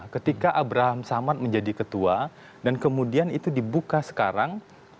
ketika abraham samad menjadi ketua dan kemudian itu dibuka sekarang